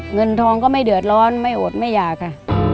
เงินทองก็ไม่เดือดร้อนไม่อดไม่อยากค่ะ